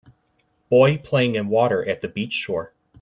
Boy playing in water at the beach shore.